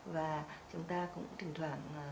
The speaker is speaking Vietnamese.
và chúng ta cũng thỉnh thoảng